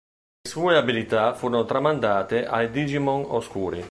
Le sue abilità furono tramandate ai Digimon oscuri.